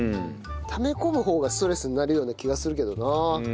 ため込む方がストレスになるような気がするけどな。